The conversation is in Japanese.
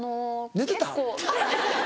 寝てたん？